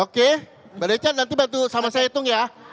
oke mbak decan nanti bantu sama saya hitung ya